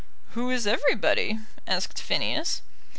"Who is everybody?" asked Phineas.